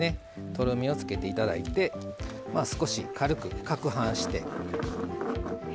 とろみをつけていただいて少し軽く、かくはんして。